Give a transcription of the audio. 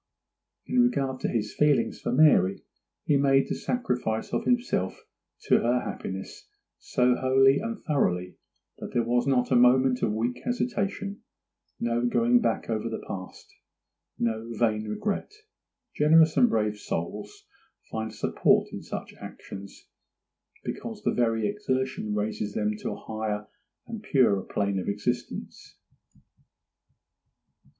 In regard to his feelings for Mary, he made the sacrifice of himself to her happiness so wholly and thoroughly that there was not a moment of weak hesitation—no going back over the past—no vain regret. Generous and brave souls find a support in such actions, because the very exertion raises them to a higher and purer plane of existence.